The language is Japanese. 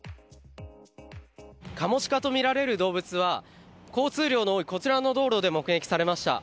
カモシカとみられる動物は交通量の多いこちらの道路で目撃されました。